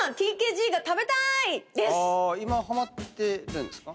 今ハマってるんですか？